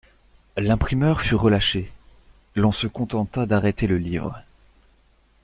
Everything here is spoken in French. L’imprimeur fut relâché, l’on se contenta d’arrêter le livre.